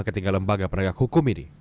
ketiga lembaga penegak hukum ini